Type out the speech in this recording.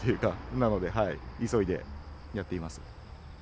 なので、急いでやっています。